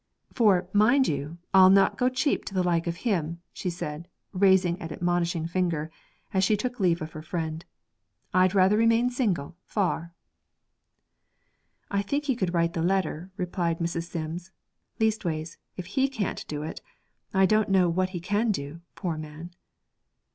'For, mind you, I'd not go cheap to the like of him,' she said, raising an admonishing finger, as she took leave of her friend: 'I'd rather remain single, far.' 'I think he could write the letter,' replied Mrs. Sims; 'leastways, if he can't do that, I don't know what he can do, poor man.'